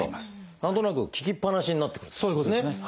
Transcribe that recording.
何となく効きっぱなしになってくるってことですね。